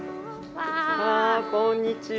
ああこんにちは！